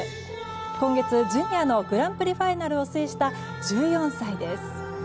今月、ジュニアのグランプリファイナルを制した１４歳です。